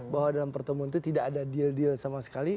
bahwa dalam pertemuan itu tidak ada deal deal sama sekali